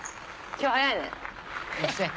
今日早いね。